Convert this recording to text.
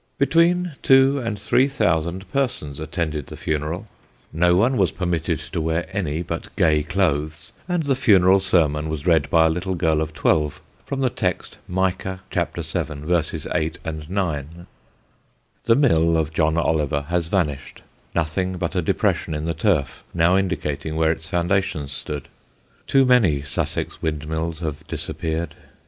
Between two and three thousand persons attended the funeral; no one was permitted to wear any but gay clothes; and the funeral sermon was read by a little girl of twelve, from the text, Micah vii. 8, 9. [Sidenote: A DIGRESSION ON MILLS] The mill of John Oliver has vanished, nothing but a depression in the turf now indicating where its foundations stood. Too many Sussex windmills have disappeared.